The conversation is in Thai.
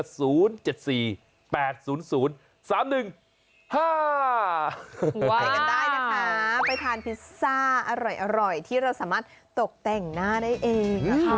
ไปกันได้นะคะไปทานพิซซ่าอร่อยที่เราสามารถตกแต่งหน้าได้เองนะคะ